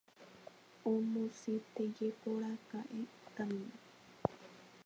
Omosẽtéjekoraka'e Taníme.